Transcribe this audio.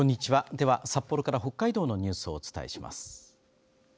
では、札幌から北海道のニュースをお伝えします。